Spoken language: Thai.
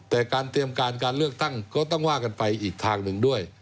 แต่การเตรียมการการเลือกตั้งก็ต้องว่ากันไปอีกทางหนึ่งด้วย